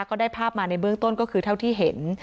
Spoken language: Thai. ก็ได้ภาพมาในเบื้องต้นก็คือเท่าที่เห็น